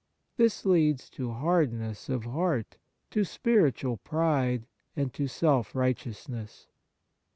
This leads to hardness of heart, to spiritual pride, and to self righteousness.